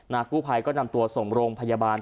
นากุภัยก็นำตัวสมโรงพยาบาล